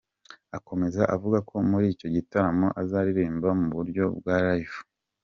Akomeza avuga ko muri icyo gitaramo azaririmba mu buryo bwa “Live”.